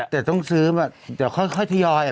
แต่ต้องซื้อแต่ค่อยทยอย